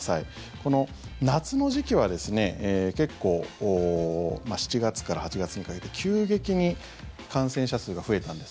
この夏の時期は結構７月から８月にかけて急激に感染者数が増えたんです。